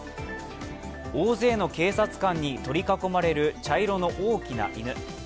大勢の警察官に取り囲まれる茶色の大きな犬。